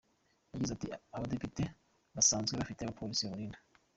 Yagize ati “Abadepite basanzwe bafite abapolisi babarinda.